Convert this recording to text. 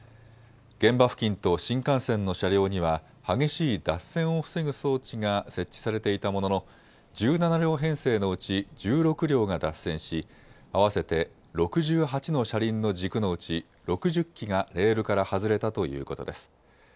現場付近と新幹線の車両には激しい脱線を防ぐ装置が設置されていたものの１７両編成のうち１６両が脱線し合わせて６８の車輪の軸のうち６０基がレールから外れたということです。